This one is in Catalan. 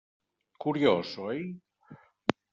Curiós, oi?